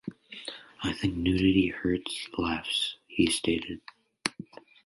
"I think nudity hurts laughs", he stated.